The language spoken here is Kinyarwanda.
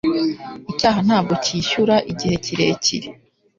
Icyaha ntabwo cyishyura igihe kirekire. .